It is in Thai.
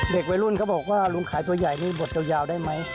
เด็กวัยรุ่นก็บอกว่าลุงขายตัวใหญ่นี่บดยาวได้ไหม